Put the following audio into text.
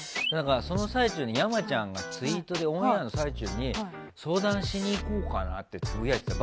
その最中に山ちゃんがツイートでオンエアの最中に相談しに行こうかなってつぶやいてた。